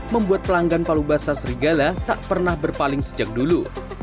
membuat pelanggan palubasa serigala tak pernah berpaling sejak dulu